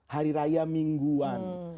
hari raya mingguan